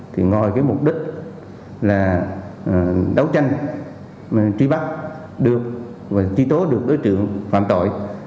thì ngoài cái mục đích là đấu tranh tri bắt được và tri tố được đối tượng phạm tội